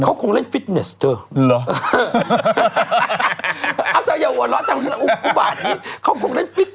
เขาคงเล่นฟิตเนสเธอเหรอ